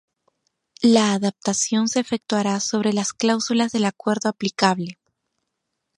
La adaptación se efectuará sobre las cláusulas del acuerdo aplicable.